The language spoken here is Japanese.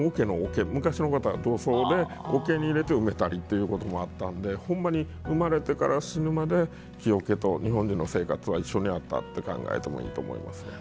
昔の方は土葬で桶に入れて埋めたりということもあったんでほんまに生まれてから死ぬまで木桶と日本人の生活は一緒にあったって考えてもいいと思いますね。